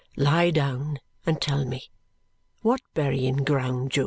"Lie down, and tell me. What burying ground, Jo?"